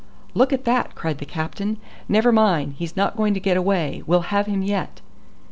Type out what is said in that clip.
"Look at that," cried the captain. "Never mind, he's not going to get away. We'll have him yet."